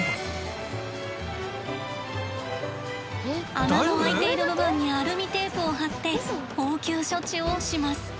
穴の開いている部分にアルミテープを貼って応急処置をします。